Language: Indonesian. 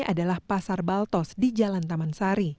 adalah pasar baltos di jalan taman sari